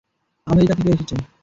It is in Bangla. আমেরিকা থেকে এসেছে।